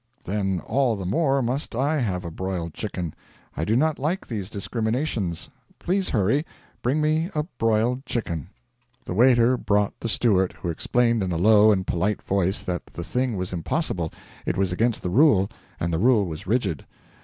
'Then all the more must I have broiled chicken. I do not like these discriminations. Please hurry bring me a broiled chicken.' The waiter brought the steward, who explained in a low and polite voice that the thing was impossible it was against the rule, and the rule was rigid.